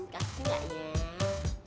gak sih gak ya